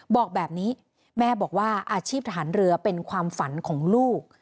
บอกแบบนี้แม่บอกว่าอาชีพทหารเรือเป็นความฝันของลูก